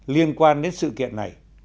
liên quan đến sự kiện này